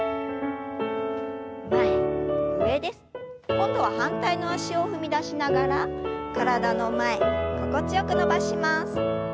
今度は反対の脚を踏み出しながら体の前心地よく伸ばします。